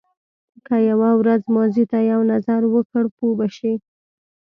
که یو ورځ ماضي ته یو نظر وکړ پوه به شې.